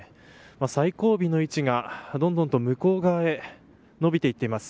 最後尾の位置がどんどんと向こう側へ伸びていっています。